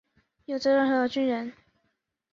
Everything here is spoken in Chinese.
永泽正美为大日本帝国陆军军人。